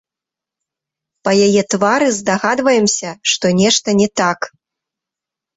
Па яе твары здагадваемся, што нешта не так.